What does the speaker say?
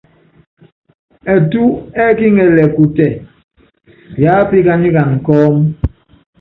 Ɛtú ɛ́kiŋɛlɛ kutɛ, yápíkanyikana kɔ́mú.